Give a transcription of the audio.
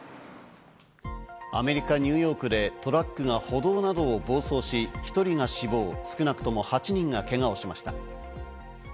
アメリカ・ニューヨークでトラックが歩道などを暴走し、１人が死亡、少なくとも８人がけがをしました。